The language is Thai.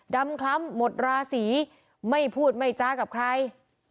คล้ำหมดราศีไม่พูดไม่จากับใคร